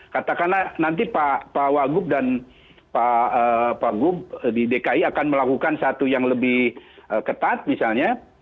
katakanlah nanti pak wagub dan pak gub di dki akan melakukan satu yang lebih ketat misalnya